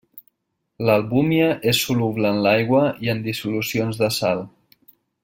L'albúmina és soluble en l'aigua i en dissolucions de sal.